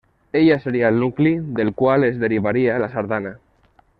Ella seria el nucli del qual es derivaria la sardana.